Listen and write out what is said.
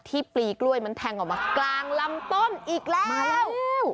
ปลีกล้วยมันแทงออกมากลางลำต้นอีกแล้ว